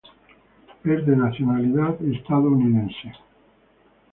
Es de nacionalidad estadounidense.